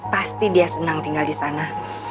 pasti dia senang tinggal di sana